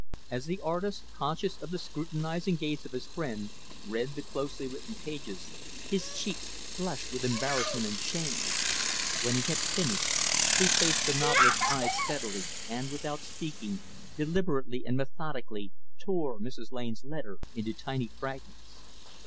As the artist, conscious of the scrutinizing gaze of his friend, read the closely written pages, his cheeks flushed with embarrassment and shame. When he had finished, he faced the novelist's eyes steadily and, without speaking, deliberately and methodically tore Mrs. Taine's letter into tiny fragments.